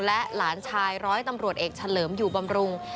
และหลานชายร้อยตำรวจเอกเฉลิมอยู่บำรุง